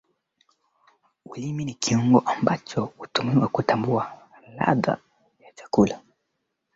wasomali na mmoja kutoka pakistan